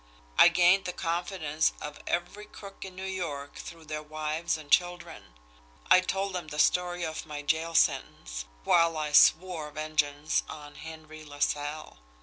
I gained the confidence of every crook in New York through their wives and children. I told them the story of my jail sentence while I swore vengeance on Henry LaSalle.